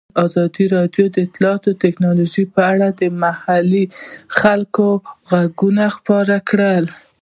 ازادي راډیو د اطلاعاتی تکنالوژي په اړه د محلي خلکو غږ خپور کړی.